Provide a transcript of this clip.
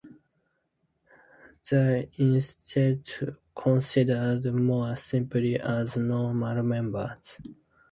They are instead considered more simply as normal Members.